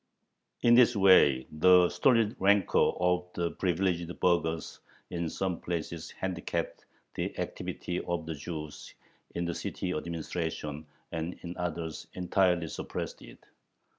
In this way the stolid rancor of the "privileged" burghers in some places handicapped the activity of the Jews in the city administration, and in others entirely suppressed it.